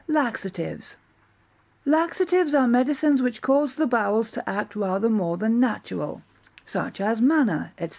Laxatives Laxatives are medicines which cause the bowels to act rather more than natural, such as manna, &c.